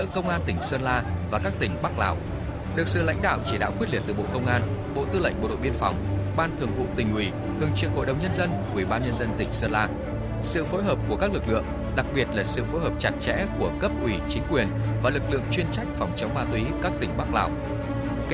công an tỉnh sơn la đã báo cáo bộ công an và thương trực tỉnh nguyễn sơn la xây dựng kế hoạch tổng thể nhằm phối hợp phòng chống ma túy trên tuyến biên phòng và các tỉnh bắc lạc